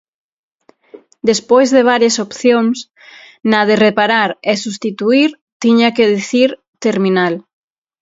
Despois de varias opcións, na de Reparar e substituír tiña que dicir Terminal.